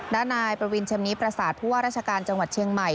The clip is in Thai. ด้านนายประวินชำนี้ประสาทผู้ว่าราชการจังหวัดเชียงใหม่